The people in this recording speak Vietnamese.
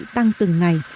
tăng từng ngày